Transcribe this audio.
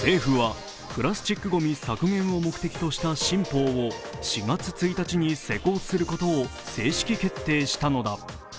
政府はプラスチックごみ削減を目的とした新法を４月１日に施行することを正式決定したのだ。